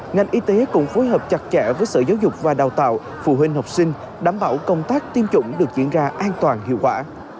ngành y tế cũng phối hợp chặt chẽ với sở giáo dục và đào tạo phụ huynh học sinh đảm bảo công tác tiêm chủng được diễn ra an toàn hiệu quả